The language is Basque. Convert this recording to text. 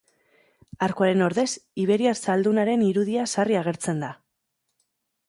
Arkuaren ordez, iberiar zaldunaren irudia sarri agertzen da.